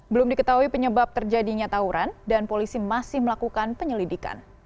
belum diketahui penyebab terjadinya tawuran dan polisi masih melakukan penyelidikan